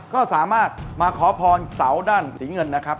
ก็สามารถมาขอพรเสาด้านสีเงินนะครับ